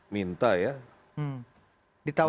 tidak pernah minta ya